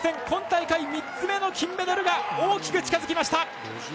今大会３つ目の金メダルが大きく近づきました！